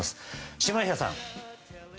下平さん。